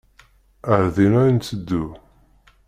Ar dinna i nteddu.